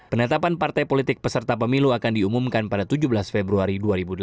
penetapan partai politik peserta pemilu akan diumumkan pada tujuh belas februari dua ribu delapan belas